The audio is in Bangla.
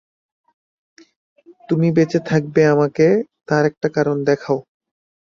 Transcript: তুমি বেচে থাকবে আমাকে তার একটা কারণ দেখাও।